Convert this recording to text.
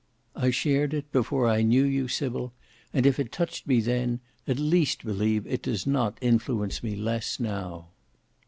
I shared it before I knew you, Sybil; and if it touched me then, at least believe it does not influence me less now."